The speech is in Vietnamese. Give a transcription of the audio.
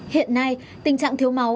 hiện nay tình trạng thiếu máu